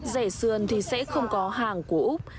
rẻ sườn thì sẽ không có hàng của úc